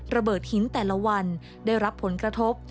ระเบิดหินแต่ละวันได้รับผลกระทบ